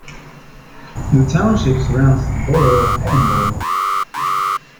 The township surrounds the borough of Edinboro.